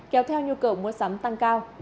kéo theo nhu cầu mua sắm tăng cao